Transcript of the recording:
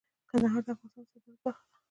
کندهار د افغانستان د صادراتو برخه ده.